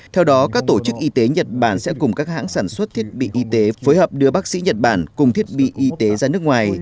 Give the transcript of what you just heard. theo đó các tổ chức y tế nhật bản sẽ cùng các hãng sản xuất thiết bị y tế phối hợp đưa bác sĩ nhật bản cùng thiết bị y tế ra nước ngoài